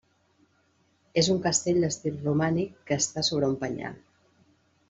És un castell d'estil romànic que està sobre un penyal.